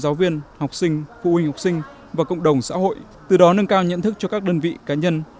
giáo viên học sinh phụ huynh học sinh và cộng đồng xã hội từ đó nâng cao nhận thức cho các đơn vị cá nhân